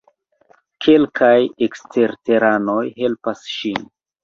Kelkaj eksterteranoj helpas ŝin.